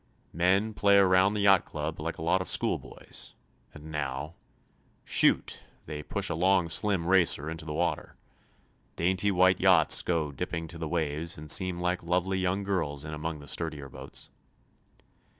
Men play around the yacht club like a lot of school boys, and now "Shoot," they push a long slim racer into the water. Dainty white yachts go dipping to the waves and seem like lovely young girls in among the sturdier boats.